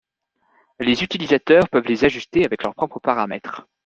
Les utilisateurs peuvent les ajuster avec leurs propres paramètres.